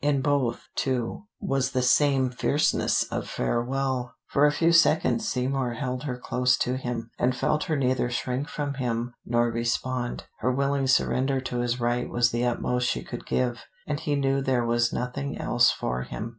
In both, too, was the same fierceness of farewell. For a few seconds Seymour held her close to him, and felt her neither shrink from him nor respond. Her willing surrender to his right was the utmost she could give, and he knew there was nothing else for him.